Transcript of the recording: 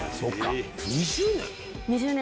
２０年？